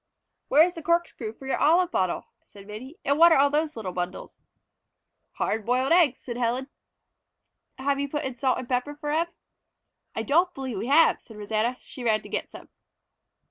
"Where is the corkscrew for your olive bottle?" said Minnie. "And what are all those little bundles?" "Hard boiled eggs," said Helen. "Have you put in salt and pepper for 'em?" "I don't believe we have," said Rosanna. She ran to get some.